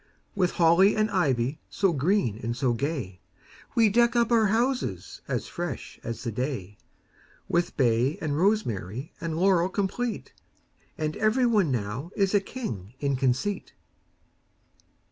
With holly and ivy So green and so gay, We deck up our houses As fresh as the day; With bay and rosemary And laurel complete; And every one now Is a king in conceit.